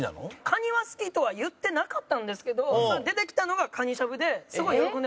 カニは好きとは言ってなかったんですけど出てきたのがカニしゃぶですごい喜んでましたでも。